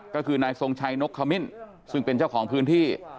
ก็คือนายทรงชัยนกขมิ้นซึ่งเป็นเจ้าของพื้นที่